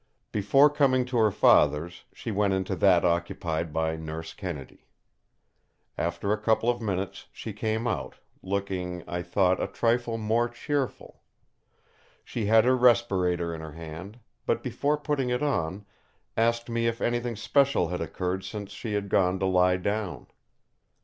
Before coming to her father's she went into that occupied by Nurse Kennedy. After a couple of minutes she came out, looking, I thought, a trifle more cheerful. She had her respirator in her hand, but before putting it on, asked me if anything special had occurred since she had gone to lie down.